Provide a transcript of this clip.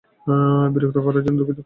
বিরক্ত করার জন্য দুঃখিত।